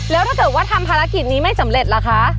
แล้วถ้าเกิดว่าทำภารกิจนี้ไม่สำเร็จล่ะคะ